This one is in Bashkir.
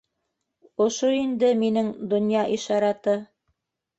- Ошо инде минең донъя ишараты.